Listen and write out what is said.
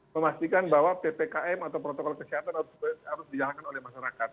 memastikan bahwa ppkm atau protokol kesehatan harus dijalankan oleh masyarakat